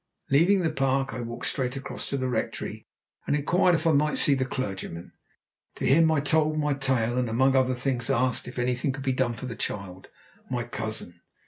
Leaving the park, I walked straight across to the rectory, and inquired if I might see the clergyman. To him I told my tale, and, among other things, asked if anything could be done for the child my cousin.